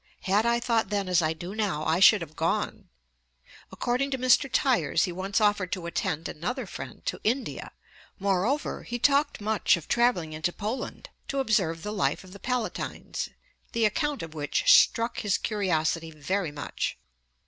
Had I thought then as I do now, I should have gone.' Ante, iii. 20. According to Mr. Tyers he once offered to attend another friend to India. Moreover 'he talked much of travelling into Poland to observe the life of the Palatines, the account of which struck his curiosity very much.'